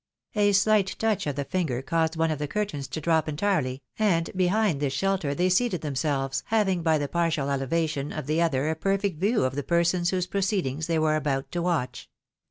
A slight touch of the finger caused one of the curtains to drop entirely, and beliiad this shelter they CAED SnARPIXG. SC7 seated themselves, having, by the partial elevation of the other, a perfect view of the persons whose proceedings they were about to watch.